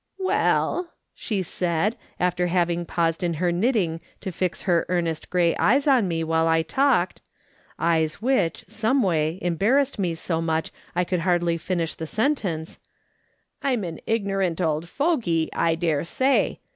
" Well," she said, after having paused in her knitting to fix earnest grey eyes on me while I talked — eyes which, some way, embarrassed me so much I could hardly finish the sentence, " I'm an ignorant old fogey, I dare say.